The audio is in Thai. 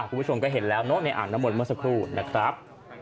คุณผู้ชมก็เห็นแล้วเนอะในอ่างน้ำมนต์เมื่อสักครู่นะครับ